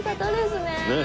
ねえ。